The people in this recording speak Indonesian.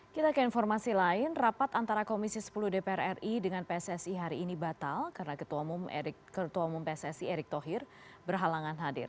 kita ke informasi lain rapat antara komisi sepuluh dpr ri dengan pssi hari ini batal karena ketua umum pssi erick thohir berhalangan hadir